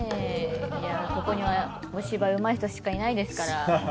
いやここにはお芝居うまい人しかいないですから。